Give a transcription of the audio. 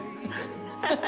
ハハハ。